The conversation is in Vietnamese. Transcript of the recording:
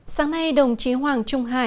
sáng nay đồng chí hoàng trung hải